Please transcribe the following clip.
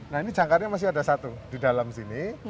nah ini jangkarnya masih ada satu di dalam sini